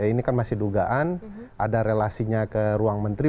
ini kan masih dugaan ada relasinya ke ruang menteri